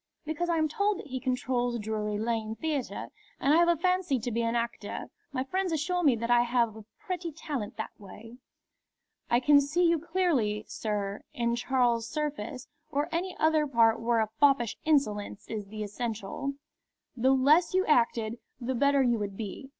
"Because I am told that he controls Drury Lane Theatre, and I have a fancy to be an actor. My friends assure me that I have a pretty talent that way." "I can see you clearly, sir, in Charles Surface, or any other part where a foppish insolence is the essential. The less you acted, the better you would be.